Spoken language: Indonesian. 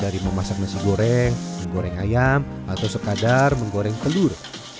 dari memasak nasi goreng menggoreng ayam atau sekadar menggoreng telur